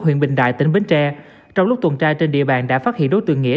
huyện bình đại tỉnh bến tre trong lúc tuần tra trên địa bàn đã phát hiện đối tượng nghĩa